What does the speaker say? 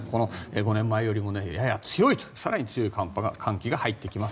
５年前よりも更に強い寒気が入ってきます。